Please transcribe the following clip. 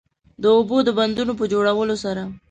د اوبو د بندونو په جوړولو سره